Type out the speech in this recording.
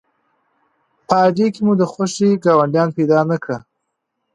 په اډې کې مو د خوښې ګاډیوان پیدا نه کړ.